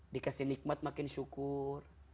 dikasih nikmat makin syukur